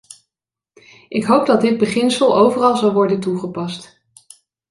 Ik hoop dat dit beginsel overal zal worden toegepast.